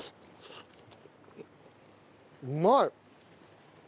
うまい！